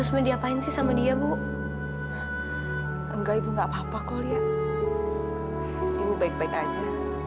sampai jumpa di video selanjutnya